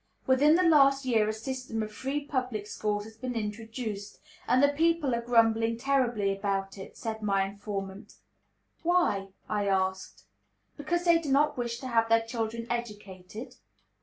Within the last year a system of free public schools has been introduced, "and the people are grumbling terribly about it," said my informant. "Why?" I asked; "because they do not wish to have their children educated?"